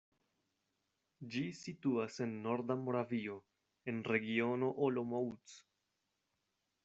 Ĝi situas en norda Moravio, en Regiono Olomouc.